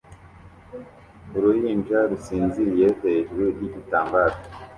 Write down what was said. Uruhinja rusinziriye hejuru yigitambaro